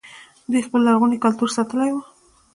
دوی خپل لرغونی کلتور ساتلی و